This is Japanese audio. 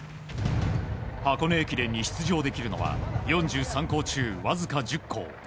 箱根駅伝に出場できるのは４３校中わずか１０校。